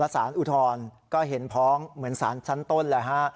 แล้วศาลอุทธรก็เห็นฟ้องเหมือนศาลชั้นต้นแหละฮะ